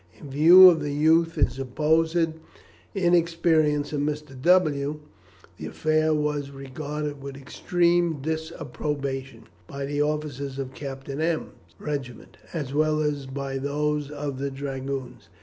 In view of the youth and supposed inexperience of Mr. W t, the affair was regarded with extreme disapprobation by the officers of Captain M l's regiment, as well as by those of the Dragoons.